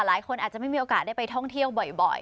หลายคนอาจจะไม่มีโอกาสได้ไปท่องเที่ยวบ่อย